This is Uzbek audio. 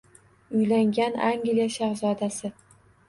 Uylangan Angliya shahzodasi